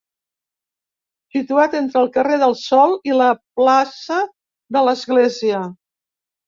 Situat entre el carrer del Sol i la plaça de l'Església.